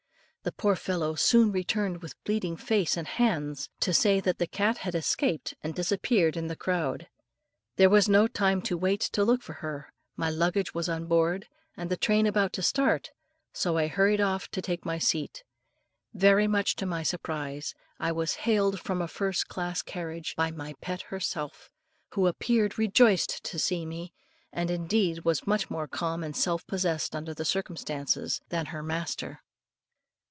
The poor fellow soon returned with bleeding face and hands, to say that the cat had escaped and disappeared in the crowd. There was no time to wait to look for her, my luggage was on board, and the train about to start, so I hurried off to take my seat. Very much to my surprise, I was hailed from a first class carriage by my pet herself, who appeared rejoiced to see me, and indeed was much more calm and self possessed, under the circumstances, than her master.